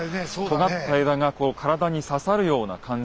とがった枝が体に刺さるような感じ。